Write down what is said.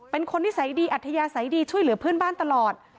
เป็นคนนิสัยดีอัธยาศัยดีช่วยเหลือเพื่อนบ้านตลอด